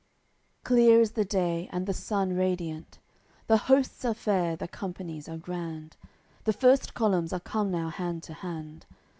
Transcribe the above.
CCXL Clear is the day, and the sun radiant; The hosts are fair, the companies are grand. The first columns are come now hand to hand.